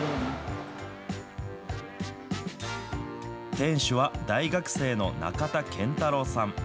店主は大学生の中田健太郎さん